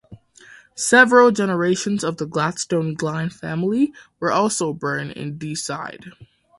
Several generations of the Gladstone-Glynne family were also born in Deeside.